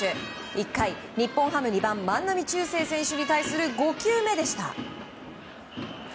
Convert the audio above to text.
１回、日本ハム２番万波中正選手に対する５球目でした。